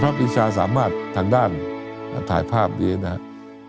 ปีชาสามารถทางด้านถ่ายภาพนี้นะครับ